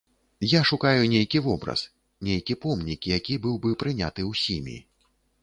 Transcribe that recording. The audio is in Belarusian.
Я шукаю нейкі вобраз, нейкі помнік, які быў бы прыняты ўсімі.